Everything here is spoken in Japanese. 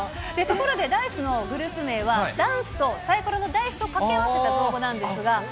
ところで、ダイスのグループ名はダンスとさいころのダイスとかけ合わせた造語なんですが。